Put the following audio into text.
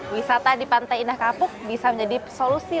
wisata di pantai indah kapuk bisa menjadi solusi